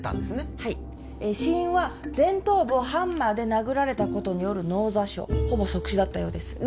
はい死因は前頭部をハンマーで殴られたことによる脳挫傷ほぼ即死だったようですな！